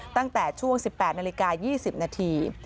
ตั้งแต่ช่วง๑๘นาฬิกา๒๐นาที